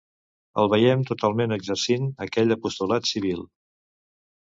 el veiem talment exercint aquell apostolat civil